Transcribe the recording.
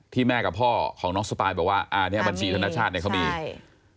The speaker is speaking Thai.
แม่กับพ่อของน้องสปายบอกว่าอ่าเนี้ยบัญชีธนชาติเนี้ยเขามีใช่